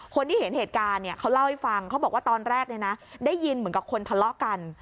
คนที่เห็นเหตุการณ์เขาเล่าให้ฟังเขาบอกว่าตอนแรกได้ยินเหมือนกับคนทะเลาะกัน